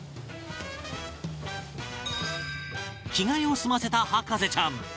着替えを済ませた博士ちゃん